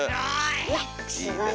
すごい！